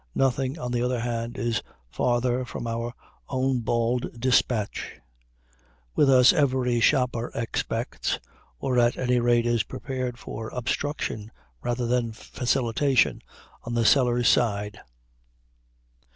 Nothing, on the other hand, is farther from our own bald dispatch. With us every shopper expects, or at any rate is prepared for, obstruction rather than facilitation on the seller's side.